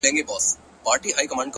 د عمل ژمنتیا نتیجه تضمینوي